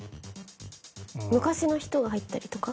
昔の人が入ったりとか？